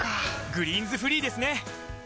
「グリーンズフリー」ですね！